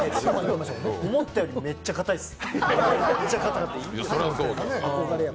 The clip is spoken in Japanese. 思ったより、めっちゃかたいです。